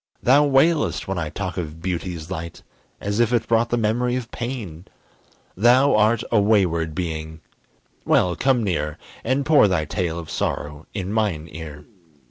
Thou wailest when I talk of beauty's light, As if it brought the memory of pain. Thou art a wayward being well, come near, And pour thy tale of sorrow in mine ear.